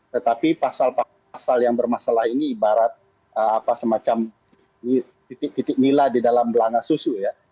tetapi pasal pasal yang bermasalah ini ibarat semacam titik titik nila di dalam belana susu ya